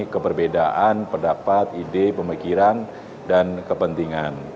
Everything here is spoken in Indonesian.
keberbedaan pendapat ide pemikiran dan kepentingan